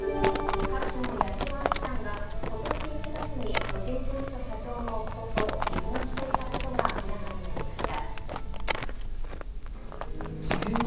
歌手の八代亜紀さんが、ことし１月に、個人事務所社長の夫と離婚していたことが明らかになりました。